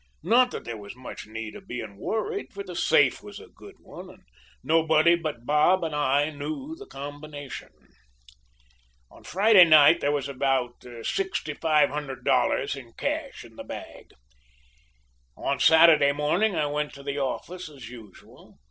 Not that there was much need of being worried, for the safe was a good one, and nobody but Bob and I knew the combination. On Friday night there was about $6,500 in cash in the bag. On Saturday morning I went to the office as usual.